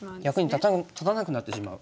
役に立たなくなってしまう。